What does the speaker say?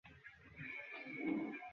কদক ধারি, বাঁধ খুলে দাও।